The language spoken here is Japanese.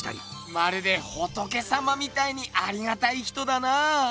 まるで仏様みたいにありがたい人だな。